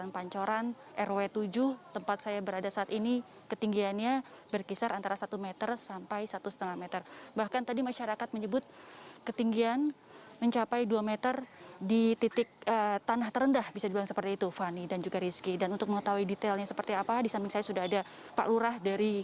pak rudy boleh informasikan ini ketinggiannya sampai berapa dan berapa rumah